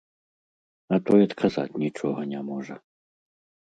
А той адказаць нічога не можа.